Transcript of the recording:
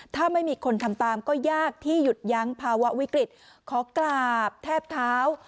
ถ้าไม่มีคนทำตามก็ยากที่หยุดยั้งภาวะวิกฤตขอกราบแทบเท้า